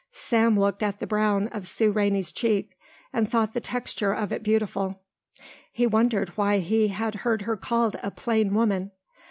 Sam looked at the brown of Sue Rainey's cheek and thought the texture of it beautiful. He wondered why he had heard her called a plain woman.